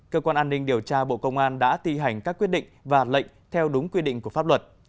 cơ quan an ninh điều tra bộ công an đã ti hành các quyết định và lệnh theo đúng quy định của pháp luật